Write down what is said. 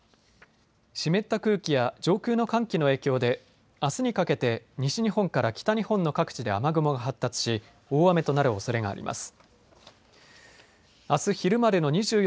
湿った空気や上空の寒気の影響であすにかけて西日本から北日本の各地で雨雲が発達し大雨となるおそれがあります。